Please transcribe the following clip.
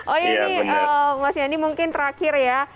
oh ya ini mas yanni mungkin terakhir ya